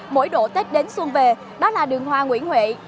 mỗi độ tết đến xuân về đó là đường hoa nguyễn huệ